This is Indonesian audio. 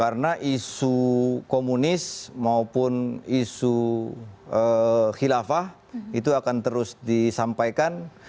karena isu komunis maupun isu khilafah itu akan terus disampaikan